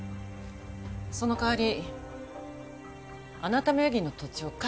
その代わりあなた名義の土地を返して。